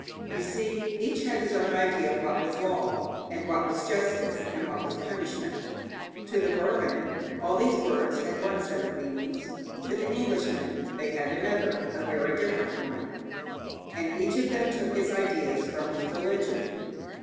You see, each had his own idea of what was law, and what was justice, and what was punishment. To the Burman all these words had one set of meanings; to the Englishman they had another, a very different one. And each of them took his ideas from his religion.